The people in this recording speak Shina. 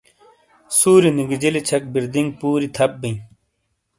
سُوری نیگیجیلی چھک بِیردینگ پُوری تھپ بئیں۔